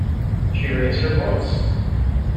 She raised her voice.